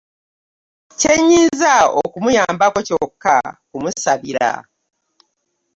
Kye nnyinza okumuyambako kyokka kumusabira.